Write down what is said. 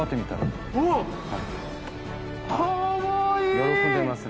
喜んでますね。